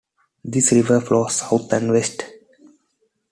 The river flows south and west.